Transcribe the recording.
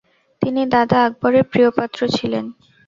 তিনি দাদা আকবরের প্রিয়পাত্র ছিলেন।